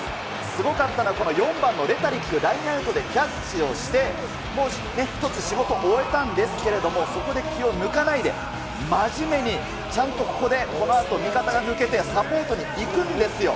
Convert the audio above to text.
すごかったのはこの４番のレタリック、ラインアウトでキャッチして、一つ仕事、終えたんですけれども、そこで気を抜かないで、真面目にちゃんとここでこのあと味方が抜けてサポートに行くんですよ。